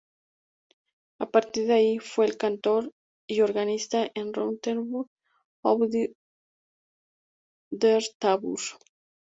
A partir de allí fue cantor y organista en Rothenburg ob der Tauber.